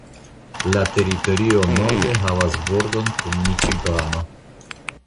La teritorio norde havas bordon kun Miĉigano.